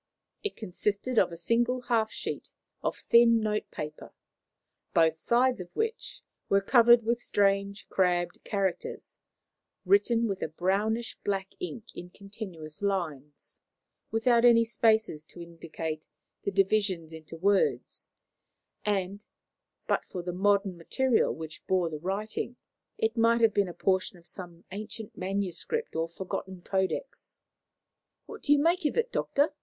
It consisted of a single half sheet of thin notepaper, both sides of which were covered with strange, crabbed characters, written with a brownish black ink in continuous lines, without any spaces to indicate the divisions into words; and, but for the modern material which bore the writing, it might have been a portion of some ancient manuscript or forgotten codex. "What do you make of it, Doctor?"